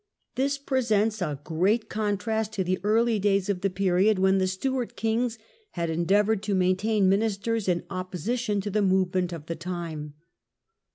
This presents a great contrast to the early days of the period, when the Stewart kings had endeavoured to main tain ministers in opposition to the movement of the time.